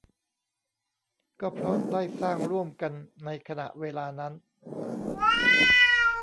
ก็เพราะได้สร้างร่วมกันในขณะเวลานั้น